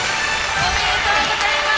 おめでとうございます。